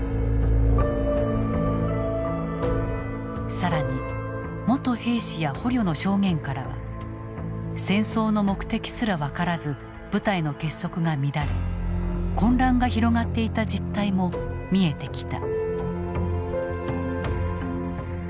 更に元兵士や捕虜の証言からは戦争の目的すら分からず部隊の結束が乱れ混乱が広がっていた実態も見えてきた。